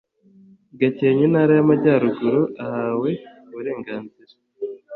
gakenke intara y amajyaruguru ahawe uburenganzira